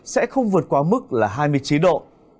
sẽ không vượt qua mức là hai mươi chín độ